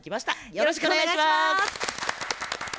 よろしくお願いします。